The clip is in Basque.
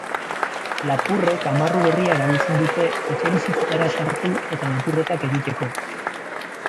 Lapurrek amarru berria erabiltzen dute etxebizitzetara sartu eta lapurretak egiteko.